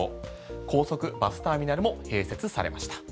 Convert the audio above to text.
高速バスターミナルも併設されました。